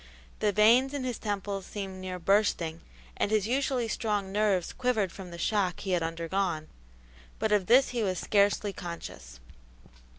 The veins in his temples seemed near bursting and his usually strong nerves quivered from the shock he had undergone, but of this he was scarcely conscious.